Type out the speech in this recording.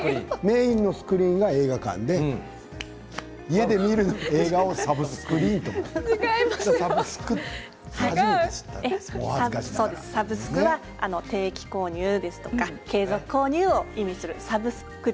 メインのスクリーンが映画館で家で見る映画をサブスクリーンと言うのかと定期購入とか、継続購入を意味しています。